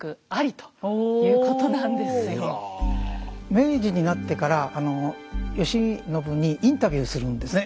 明治になってから慶喜にインタビューするんですね。